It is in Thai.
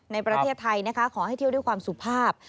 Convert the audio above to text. ในประเทศไทยนะคะขอให้เที่ยวด้วยความสุภาพ